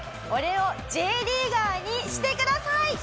「俺をＪリーガーにしてください」。